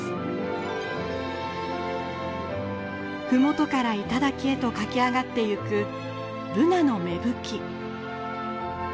麓から頂へと駆け上がってゆくブナの芽吹き。